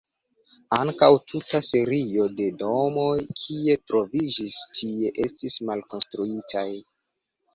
Ankaŭ tuta serio de domoj kie troviĝis tie estis malkonstruitaj.